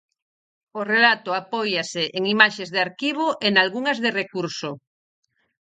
O relato apóiase en imaxes de arquivo e nalgunhas de recurso.